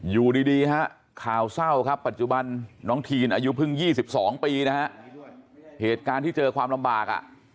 อยู่ดีฮะข่าวเศร้าครับปัจจุบันน้องทีนอายุเพิ่ง๒๒ปีนะฮะเหตุการณ์ที่เจอความลำบากอ่ะ